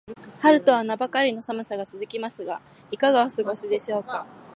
春とは名ばかりの寒さが続きますが、いかがお過ごしでしょうか。